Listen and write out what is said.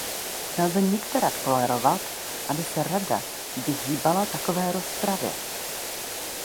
Nelze nikterak tolerovat, aby se Rada vyhýbala takové rozpravě.